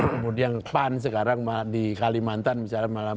kemudian pan sekarang di kalimantan misalnya